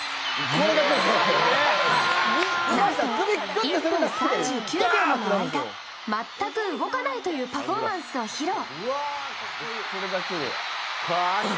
１分３９秒もの間全く動かないというパフォーマンスを披露。